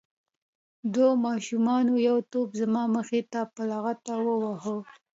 دوو ماشومانو یو توپ زما مخې ته په لغتو وواهه.